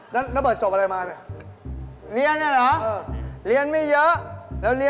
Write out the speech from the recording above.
ใงเลื่องให้ช่วยอีกแล้ว